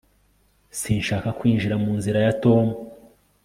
sinshaka kwinjira mu nzira ya tom